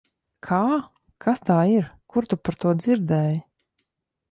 Kā? Kas tā ir? Kur tu par to dzirdēji?